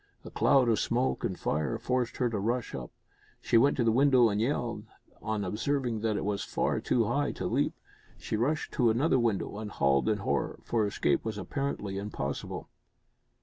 A cloud of smoke and fire forced her to rush up. She went to the window and yelled, on observing that it was far too high to leap. She rushed to another window and howled in horror, for escape was apparently impossible.